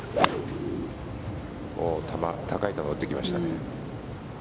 高い球打っていきましたね。